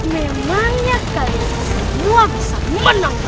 memangnya kalian semua bisa menang